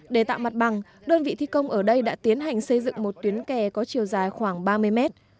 để tạo mặt bằng đơn vị thi công ở đây đã tiến hành xây dựng một tuyến kè có chiều dài khoảng ba mươi mét